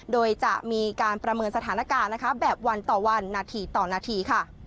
โดยจะมีการประเมินสถานการณ์นะคะแบบวันต่อวันนาทีต่อนาทีค่ะ